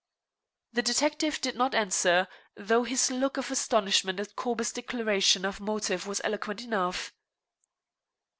The detective did not answer, though his look of astonishment at Corbett's declaration of motive was eloquent enough.